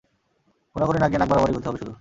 কোণাকুণি না গিয়ে নাক বরাবর এগুতে হবে শুধু!